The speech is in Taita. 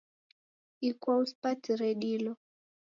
Ikwau sipatire dilo